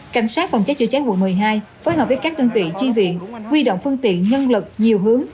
cảnh sát phòng cháy chữa cháy quận một mươi hai phối hợp với các đơn vị chi viện quy động phương tiện nhân lực nhiều hướng